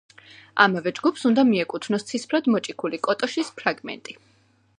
ამავე ჯგუფს უნდა მიეკუთვნოს ცისფრად მოჭიქული კოტოშის ფრაგმენტი.